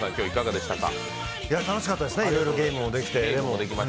いろいろゲームもできて。